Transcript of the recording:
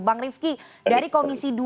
bang rifki dari komisi dua